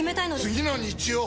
次の日曜！